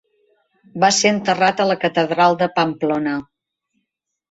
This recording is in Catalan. Va ser enterrat a la catedral de Pamplona.